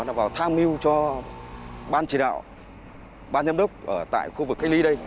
đã vào tham mưu cho ban chỉ đạo ban giám đốc ở tại khu vực cách ly đây